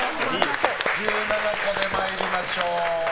１７個で参りましょう。